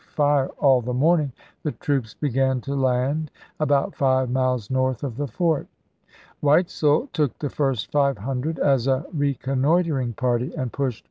fire all the morning, the troops began to land about five miles north of the fort. Weitzel took the first five hundred as a reconnoitering party and pushed Deo.